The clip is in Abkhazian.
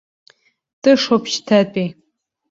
Тышоуп шьҭатәи.